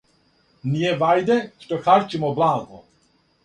Није вајде што харчимо благо,